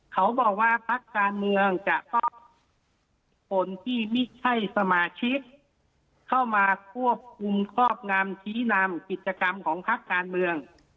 เขาบอกว่าพักการเมืองจะต้องคนที่ไม่ใช่สมาชิกเข้ามาควบคุมครอบงำชี้นำกิจกรรมของพักการเมือง